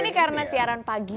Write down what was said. ini karena siaran pagi